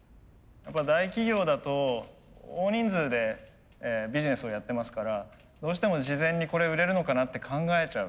やっぱ大企業だと大人数でビジネスをやってますからどうしても事前に「これ売れるのかな」って考えちゃう。